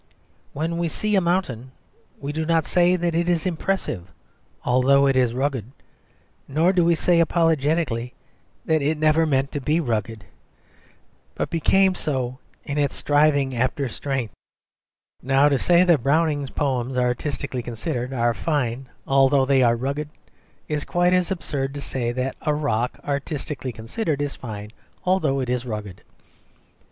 When we see a mountain, we do not say that it is impressive although it is rugged, nor do we say apologetically that it never meant to be rugged, but became so in its striving after strength. Now, to say that Browning's poems, artistically considered, are fine although they are rugged, is quite as absurd as to say that a rock, artistically considered, is fine although it is rugged.